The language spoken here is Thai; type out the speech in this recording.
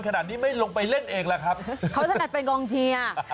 ขนาดนี้ไม่ลงไปเล่นเองล่ะครับเขาถนัดเป็นกองเชียร์